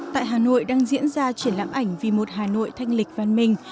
tại hà nội đang diễn ra triển lãm ảnh vì một hà nội thanh lịch văn minh